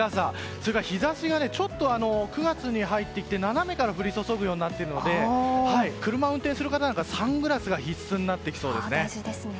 それから日差しがちょっと９月に入ってきて斜めから降り注ぐようになってきているので車を運転する方なんかはサングラスが必須になりそうです。